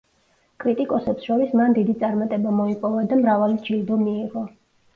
კრიტიკოსებს შორის მან დიდი წარმატება მოიპოვა და მრავალი ჯილდო მიიღო.